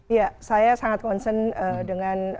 iya saya sangat concern dengan